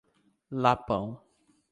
Lapão